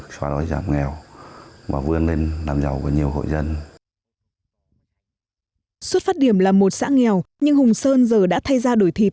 xuất phát điểm là một xã nghèo nhưng hùng sơn giờ đã thay ra đổi thịt